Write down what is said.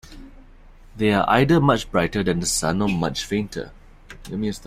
They are either much brighter than the Sun, or much fainter.